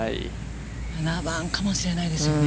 ７番かもしれないですよね。